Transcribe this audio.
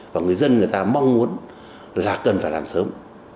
và người dân người ta mong muốn là cần phải làm sớm